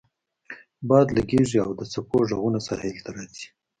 باد لګیږي او د څپو غږونه ساحل ته راځي